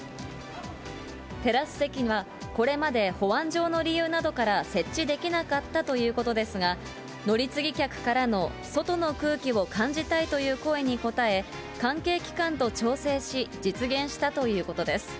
テラス席は、これまで保安上の理由などから設置できなかったということですが、乗り継ぎ客からの外の空気を感じたいという声に応え、関係機関と調整し、実現したということです。